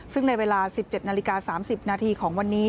ซึ่งในเวลา๑๗นาฬิกา๓๐นาทีของวันนี้